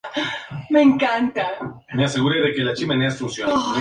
Obtuvo la licenciatura en filosofía con honores de la Universidad York de Toronto, Canadá.